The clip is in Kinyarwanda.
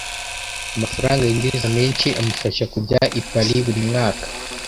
Amafaranga yinjiza menshi amufasha kujya i Paris buri mwaka.